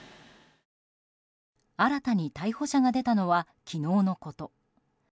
新たに逮捕者が出たのは昨日のこと。